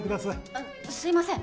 あすいません。